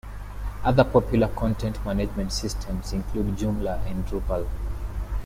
Other popular content management systems include Joomla and Drupal.